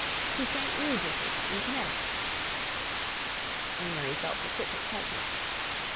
"To St. Regis's in Connecticut." Amory felt a quick excitement.